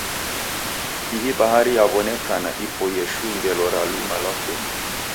Ihi bahari yaw'onekana ipoie shuu ngelo ra luma lwa kenyi.